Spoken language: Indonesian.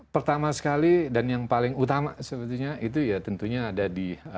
pertama sekali dan yang paling utama sebetulnya itu ya tentunya ada di